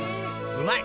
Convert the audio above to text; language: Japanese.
うまい！